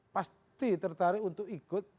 pasti tertarik untuk ikut